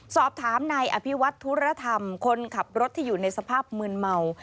สอบถามนายอภิวัตธุรธรรมคนขับรถที่อยู่ในสภาพมืนเมา